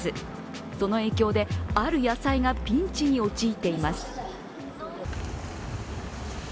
その影響で、ある野菜がピンチに陥っています。